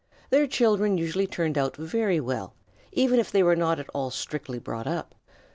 Their children usually turned out very well, even if they were not at all strictly brought up.